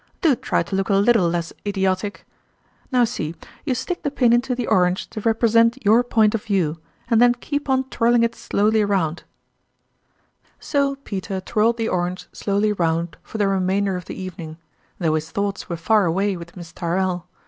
Do try to look a little less idiotic ! Now, see ; you stick the pin into the orange to represent your point of view, and then keep on twirling it slowly round." 92 tourmalin's ime So Peter twirled the orange slowly round for the remainder of the evening, though his thoughts were far away with Miss Tyrrell.